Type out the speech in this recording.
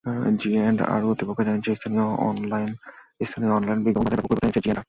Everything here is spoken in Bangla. জিঅ্যান্ডআর কর্তৃপক্ষ জানিয়েছে, স্থানীয় অনলাইন বিজ্ঞাপন বাজারে ব্যাপক পরিবর্তন এনেছে জিঅ্যান্ডআর।